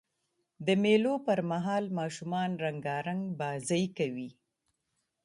د مېلو پر مهال ماشومان رنګارنګ بازۍ کوي.